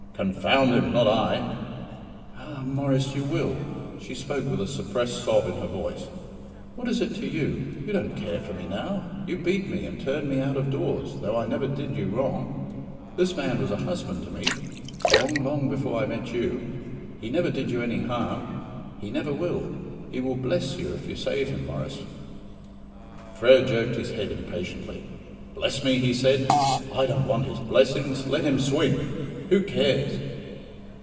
Confound him, not I!" "Ah, Maurice, you will." She spoke with a suppressed sob in her voice. "What is it to you? You don't care for me now. You beat me, and turned me out of doors, though I never did you wrong. This man was a husband to me long, long before I met you. He never did you any harm; he never will. He will bless you if you save him, Maurice." Frere jerked his head impatiently. "Bless me!" he said. "I don't want his blessings. Let him swing. Who cares?"